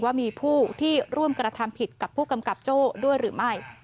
ว่ามีผู้ที่ร่วมกระทำผิดกับผู้กำกับโจ้ด้วยหรือไม่